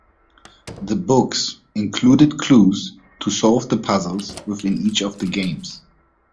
The books included clues to solve the puzzles within each of the games.